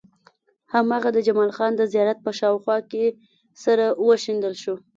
هماغه د جمال خان د زيارت په شاوخوا کې سره وشيندل شو.